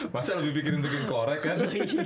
masa lebih bikin mikirin korek kan